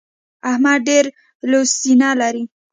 احمد ډېره لو سينه لري.